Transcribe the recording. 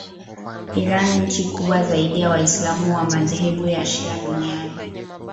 Iran nchi kubwa zaidi ya waislamu wa madhehebu ya shia duniani